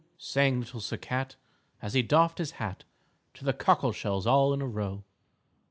Sang Little Sir Cat As he doffed his hat To the cockle shells all in a row.